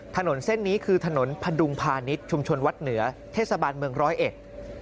ถนนเส้นนี้คือถนนพดุงพาณิชย์ชุมชนวัดเหนือเทศบาลเมืองร้อยเอ็ด